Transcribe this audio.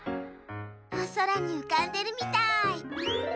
おそらにうかんでるみたい。